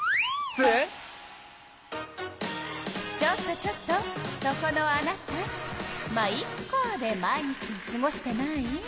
ちょっとちょっとそこのあなた「ま、イッカ」で毎日をすごしてない？